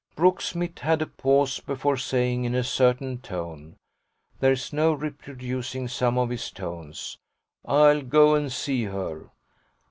Brooksmith had a pause before saying in a certain tone there's no reproducing some of his tones "I'll go and see her."